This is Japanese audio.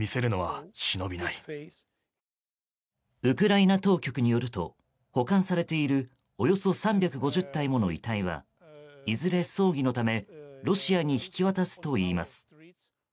ウクライナ当局によると保管されているおよそ３５０体もの遺体はいずれ葬儀のためロシアに引き渡すといいます。